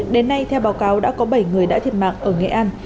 đến nay theo báo cáo đã có bảy người đã thiệt mạng ở nghệ an